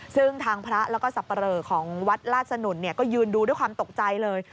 ซึ่งทางพระแล้วก็สับปะเหลอของวัดลาดสนุนก็ยืนดูด้วยความตกใจเลย